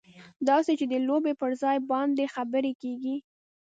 داسې چې د لوبې پر ځای باندې خبرې کېږي.